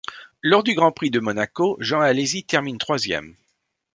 Lors du Grand Prix de Monaco, Jean Alesi termine troisième.